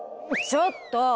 ちょっと！